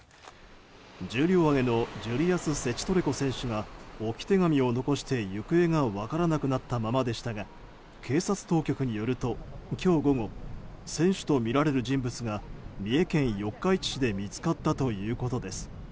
重量挙げのジュリアス・セチトレコ選手が置き手紙を残して、行方が分からなくなったままでしたが警察当局によると今日午後選手とみられる人物が三重県四日市市で見つかったということです。